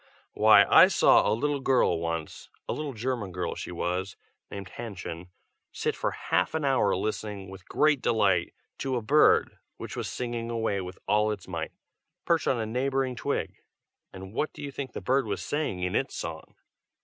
Why, I saw a little girl once, a little German girl she was, named Hannchen, sit for half an hour listening with great delight to a bird which was singing away with all its might, perched on a neighboring twig. And what do you think the bird was saying in its song?